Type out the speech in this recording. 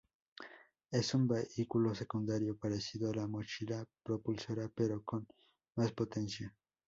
Es un vehículo secundario, parecido a la mochila propulsora pero con más potencia.